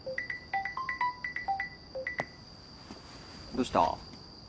どうした？